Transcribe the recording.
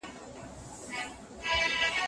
شاګرد او استاد باید پخپلو کي سره درک کړي.